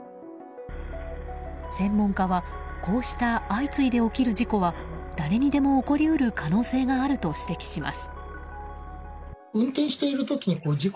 専門家はこうした相次いで起きる事故は誰にでも起こり得る可能性があると指摘します。